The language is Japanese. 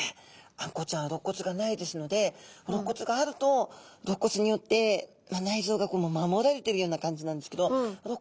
あんこうちゃんはろっ骨がないですのでろっ骨があるとろっ骨によって内臓が守られてるような感じなんですけどなるほど。